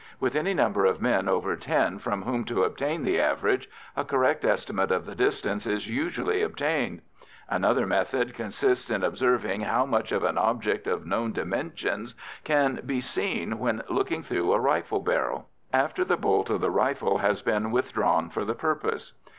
With any number of men over ten from whom to obtain the average, a correct estimate of the distance is usually obtained. Another method consists in observing how much of an object of known dimensions can be seen when looking through a rifle barrel, after the bolt of the rifle has been withdrawn for the purpose.